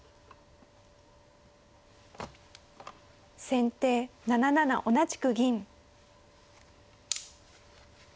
先手７七同じく銀。